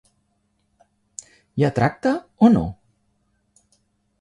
Hi ha tracte o no?